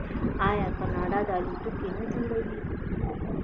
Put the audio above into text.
آیا کاناډا الوتکې نه جوړوي؟